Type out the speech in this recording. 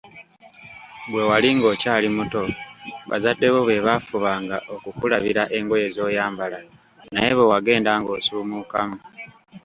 Bwe wali ng‘okyali muto, bazadde bo be bafubanga okukulabira engoye zoyambala, naye bwe wagenda ng‘osuumukamu